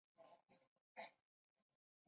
现效力于法甲球队尼斯。